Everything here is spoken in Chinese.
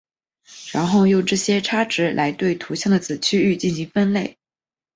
然后用这些差值来对图像的子区域进行分类。